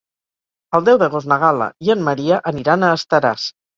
El deu d'agost na Gal·la i en Maria aniran a Estaràs.